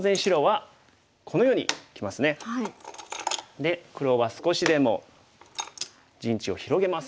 で黒は少しでも陣地を広げます。